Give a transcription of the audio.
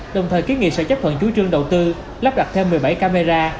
đồng thời kiến nghị sẽ chấp thuận chú trương đầu tư lắp đặt thêm một mươi bảy camera